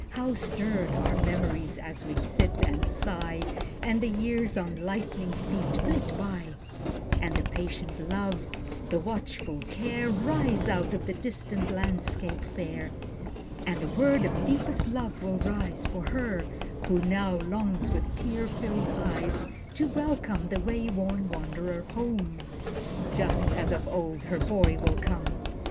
How stirred Are memories as we sit and sigh, And the years on lightning feet flit by, And the patient Love, the watchful care, Rise out of the distant landscape fair, And a word of deepest love will rise For her, who now longs with tear filled eyes To welcome the way worn wand'rer home, Just as of old her boy will come!